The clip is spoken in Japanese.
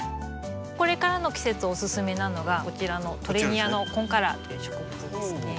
これからの季節おすすめなのがこちらのトレニアのコンカラーという植物ですね。